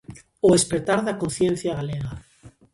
O espertar da conciencia galega.